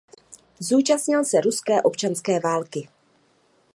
Zúčastnil se ruské občanské války.